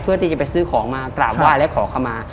เพื่อที่จะไปซื้อของมากราบไหว้และขอขมา